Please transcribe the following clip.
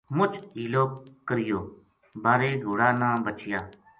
مُچ حیلو کریوبارے گھوڑا نہ بچیا